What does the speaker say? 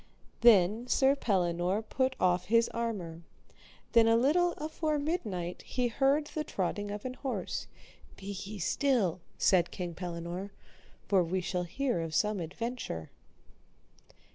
Then Sir Pellinore put off his armour; then a little afore midnight they heard the trotting of an horse. Be ye still, said King Pellinore, for we shall hear of some adventure.